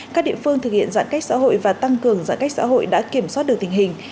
các địa phương thực hiện giãn cách xã hội và tăng cường giãn cách xã hội đã kiểm soát được tình hình